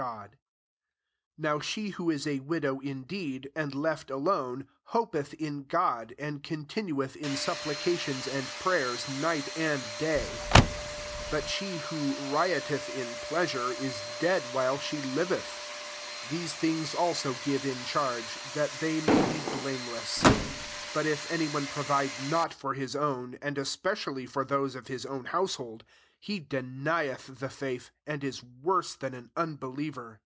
5 Now she who is a widow indeed, and left alone, hopeth in God, and continueth in sup plications and prayers night and day : 6 birt *^ who riot eth in pleasure, is dead while she liveth. 7 These things also give in charge ; that they may le blameless. 8 But if any one provide not for his own, and especially for those of his own household, he denieth the faith) and is worse than an unbe liever.